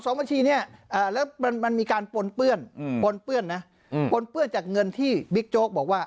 บัญชีนี้แล้วมันมีการปนเปื้อนปนเปื้อนนะปนเปื้อนจากเงินที่บิ๊กโจ๊กบอกว่า